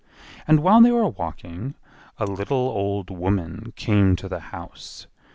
And while they were walking a little old woman came to the house.